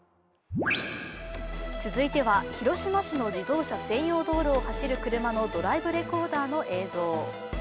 続いては、広島市の自動車専用道路を走る車のドライブレコーダーの映像。